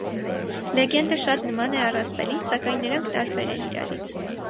Լեգենդը շատ նման է առասպելին, սակայն նրանք տարբեր են իրարից։